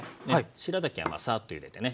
しらたきはサッとゆでてね